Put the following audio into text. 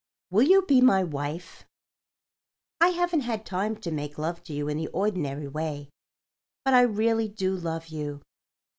Will you be my wife? I haven't had time to make love to you in the ordinary way, but I really do love you.